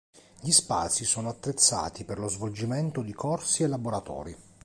Gli spazi sono attrezzati per lo svolgimento di corsi e laboratori.